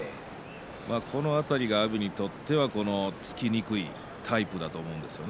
この辺り阿炎にとって突きにくいタイプだと思うんですね。